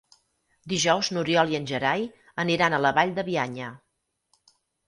Dijous n'Oriol i en Gerai aniran a la Vall de Bianya.